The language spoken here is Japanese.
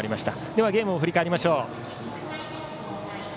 ではゲームを振り返りましょう。